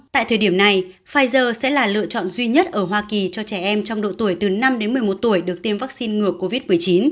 tại thời điểm này pfizer sẽ là lựa chọn duy nhất ở hoa kỳ cho trẻ em trong độ tuổi từ năm đến một mươi một tuổi được tiêm vaccine ngừa covid một mươi chín